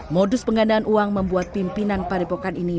modus penggandaan uang membuat pimpinan padepokan ini